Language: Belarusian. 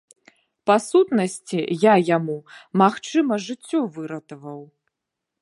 Па сутнасці, я яму, магчыма, жыццё выратаваў.